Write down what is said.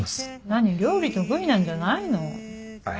何料理得意なんじゃないの？